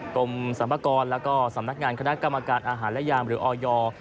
กรมสรรพากรและก็สำนักงานคณะกรรมการอาหารและยามหรือออย